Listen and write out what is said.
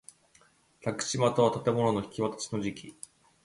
宅地又は建物の引渡しの時期